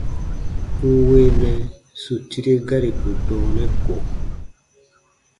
N weenɛ su tire garibu dɔɔnɛ ko.